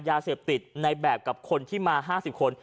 ยาเสพติดในแบบกับคนที่มา๕๐คน